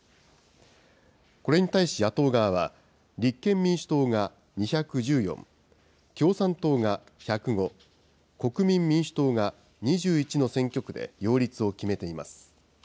これに対し野党側は、立憲民主党が２１４、共産党が１０５、国民民主党が２１の選挙区で擁立を決めています。